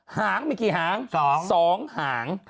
หางมีกี่หาง๒หาง